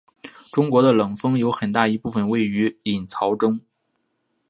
中国的冷锋有很大一部分位于隐槽中。